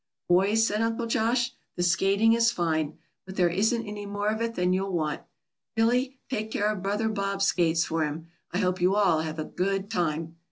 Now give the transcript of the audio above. "Boys," said Uncle Josh, "the skating is fine, but there isn't any more of it than you'll want. Billy, take care of Brother Bob's skates for him. I hope you'll all have a good time."